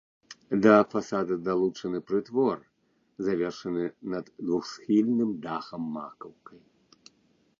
Да фасада далучаны прытвор, завершаны над двухсхільным дахам макаўкай.